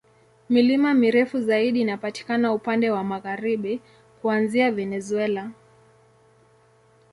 Milima mirefu zaidi inapatikana upande wa magharibi, kuanzia Venezuela.